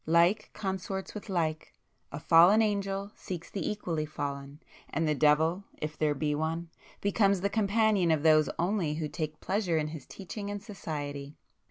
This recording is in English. Like consorts with like,—a fallen angel seeks the equally fallen,—and the devil,—if there be one,—becomes the companion of those only who take pleasure in his teaching and society.